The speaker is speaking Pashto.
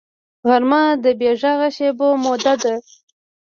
غرمه د بېغږه شېبو موده ده